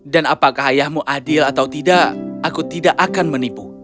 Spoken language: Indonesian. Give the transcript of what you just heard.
dan apakah ayahmu adil atau tidak aku tidak akan menipu